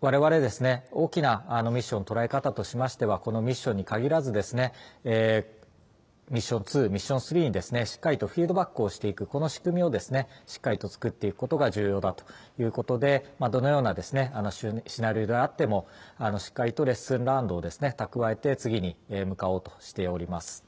われわれ、大きなミッション捉え方としましては、このミッションに限らず、ミッション２、ミッション３にしっかりとフィードバックをしていく、この仕組みをしっかりと作っていくことが重要だということで、どのようなシナリオであっても、しっかりとレッスンを蓄えて次に向かおうとしております。